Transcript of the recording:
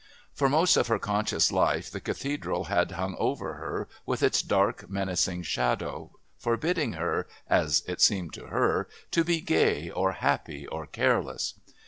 For most of her conscious life the Cathedral had hung over her with its dark menacing shadow, forbidding her, as it seemed to her, to be gay or happy or careless.